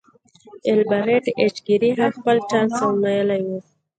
ایلبرټ ایچ ګیري هم خپل چانس ازمایلی و